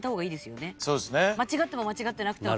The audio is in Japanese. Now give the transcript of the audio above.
間違っても間違ってなくても。